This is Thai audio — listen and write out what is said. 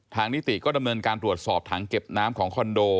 นิติก็ดำเนินการตรวจสอบถังเก็บน้ำของคอนโด